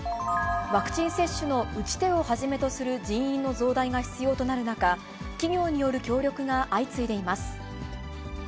ワクチン接種の打ち手をはじめとする人員の増大が必要となる中、企業による協力が相次いでいます。